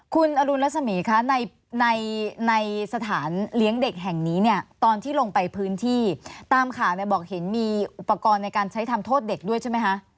คุณอรุณรสมีคะในในสถานเลี้ยงเด็กแห่งนี้เนี่ยตอนที่ลงไปพื้นที่ตามข่าวเนี่ยบอกเห็นมีอุปกรณ์ในการใช้ทำโทษเด็กด้วยใช่ไหมคะ